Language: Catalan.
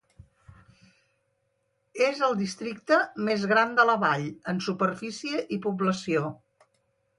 És el districte més gran de la vall en superfície i població.